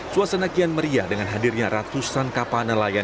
suasana kian meriah dengan hadirnya ratusan kapal nelayan